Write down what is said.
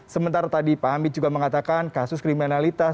sementara tadi pak hamid juga mengatakan kasus kriminalitas